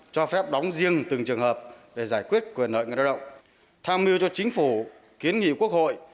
cho phép đóng riêng từng trường hợp để giải quyết quyền lợi người đa động tham mưu cho chính phủ kiến nghị quốc hội